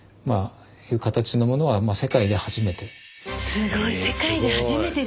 すごい世界で初めてですって！